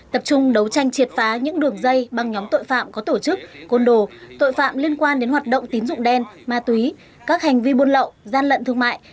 tập trung đấu tranh triệt phá những đường dây băng nhóm tội phạm có tổ chức côn đồ tội phạm liên quan đến hoạt động tín dụng đen ma túy các hành vi buôn lậu gian lận thương mại